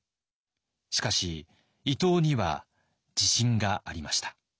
しかし伊藤には自信がありました。